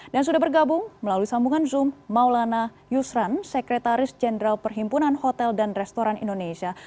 sudah bergabung melalui sambungan zoom maulana yusran sekretaris jenderal perhimpunan hotel dan restoran indonesia